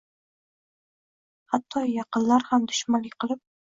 Hatto yaqinlar ham dushmanlik qilib